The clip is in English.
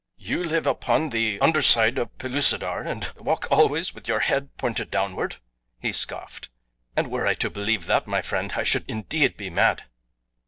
"You live upon the under side of Pellucidar, and walk always with your head pointed downward?" he scoffed. "And were I to believe that, my friend, I should indeed be mad."